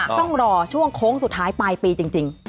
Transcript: ต้องรอช่วงโค้งสุดท้ายปลายปีจริง